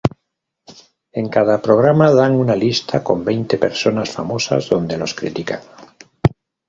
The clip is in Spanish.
En cada programa dan una lista con veinte personas famosas donde los critican.